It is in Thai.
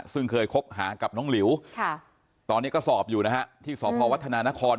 ซึ่งเคยคบหากับน้องหลิวตอนนี้ก็สอบอยู่นะฮะที่สพวัฒนานคร